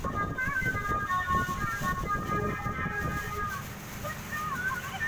لایق